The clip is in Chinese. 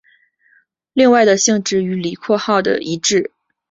另外的性质和李括号的一致。